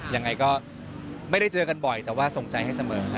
ยังไงก็ไม่ได้เจอกันบ่อยแต่ว่าส่งใจให้เสมอ